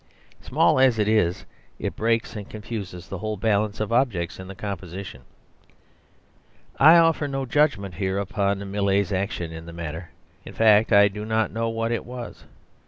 Small as it is, it breaks and confuses the whole balance of objects in the composition. I offer no judgment here upon Millais's action in the matter; in fact, I do not know what it was.